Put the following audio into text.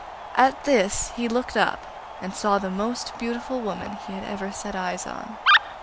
At this he looked up, and saw the most beautiful woman he had ever set eyes on.